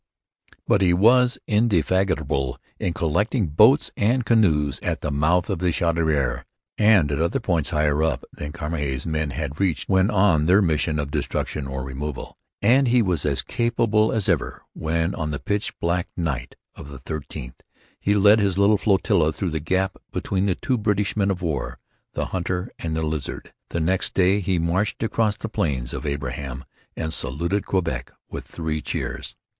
But he was indefatigable in collecting boats and canoes at the mouth of the Chaudiere, and at other points higher up than Cramahe's men had reached when on their mission of destruction or removal, and he was as capable as ever when, on the pitch black night of the 13th, he led his little flotilla through the gap between the two British men of war, the Hunter and the Lizard. The next day he marched across the Plains of Abraham and saluted Quebec with three cheers.